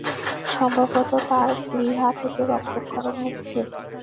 সম্ভবত তার প্লীহা থেকে রক্তক্ষরণ হচ্ছে।